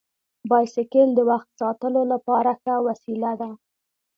بایسکل د وخت ساتلو لپاره ښه وسیله ده.